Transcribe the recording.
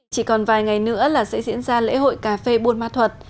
chỉ còn vài ngày nữa là sẽ diễn ra lễ hội cà phê buôn ma thuật